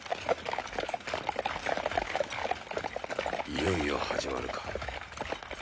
いよいよ始まるか。